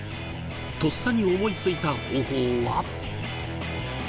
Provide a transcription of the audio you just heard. とっさに思いついた方法は。